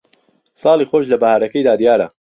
ساڵی خۆش لە بەھارەکەیدا دیارە